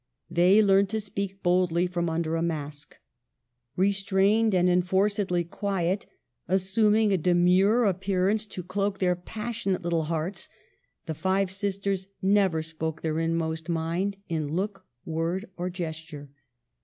They learned to speak boldly from under a mask. Restrained, enforcedly quiet, assuming a demure appearance to cloak their passionate little hearts, the five sisters never spoke their inmost mind in look, word, or gesture.